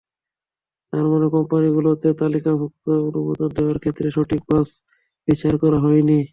তার মানে কোম্পানিগুলোকে তালিকাভুক্তির অনুমোদন দেওয়ার ক্ষেত্রে সঠিক বাছ বিচার করা হয়নি।